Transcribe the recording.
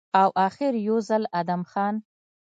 او اخر يو ځل ادم خان